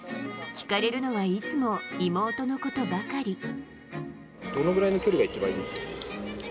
聞かれるのはいつも妹のことばかり。